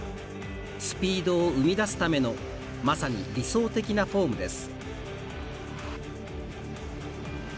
スピードを生み出すためのまさに理想的なフォームです。